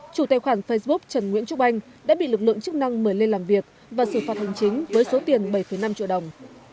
chủ tài khoản facebook trần nguyễn trúc anh đã bị lực lượng chức năng mời lên làm việc và xử phạt hành chính với số tiền bảy năm triệu đồng